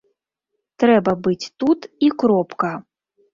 Трэба быць тут і кропка.